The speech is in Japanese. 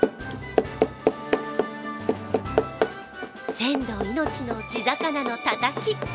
鮮度命の地魚のたたき。